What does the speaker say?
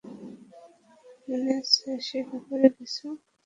মনে আছে সে ব্যাপারে কিছু?